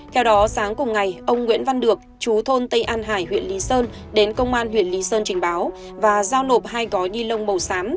theo đó sáng cùng ngày ông nguyễn văn được chú thôn tây an hải huyện lý sơn đến công an huyện lý sơn trình báo và giao nộp hai gói ni lông màu xám